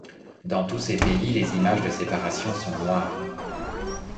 Dans tous ces pays les images de séparation sont noires.